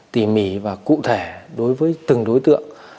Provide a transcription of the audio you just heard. tỉ mỉ và cụ thể đối với từng đối tượng